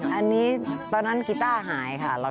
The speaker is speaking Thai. อันนี้ตอนนั้นกีต้าหายค่ะ